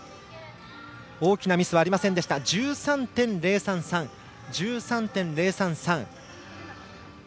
大きなミスはありませんでした。１３．０３３。